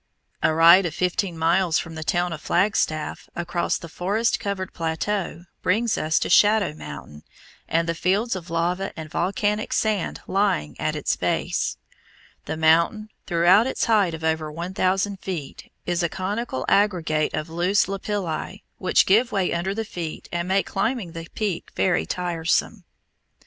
A ride of fifteen miles from the town of Flagstaff, across the forest covered plateau, brings us to Shadow Mountain and the fields of lava and volcanic sand lying at its base. The mountain, throughout its height of over one thousand feet, is a conical aggregate of loose lapilli which give way under the feet and make climbing the peak very tiresome.